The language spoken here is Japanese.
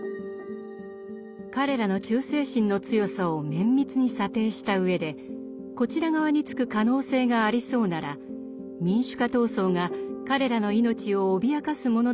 彼らの忠誠心の強さを綿密に査定したうえでこちら側につく可能性がありそうなら民主化闘争が彼らの命を脅かすものではないことを